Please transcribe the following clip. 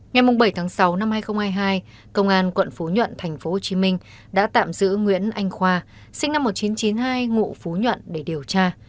ngày bảy tháng sáu năm hai nghìn hai mươi hai công an quận phú nhuận tp hcm đã tạm giữ nguyễn anh khoa sinh năm một nghìn chín trăm chín mươi hai ngụ phú nhuận để điều tra